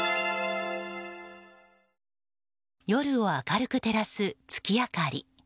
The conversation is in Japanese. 夜を明るく照らす月明かり。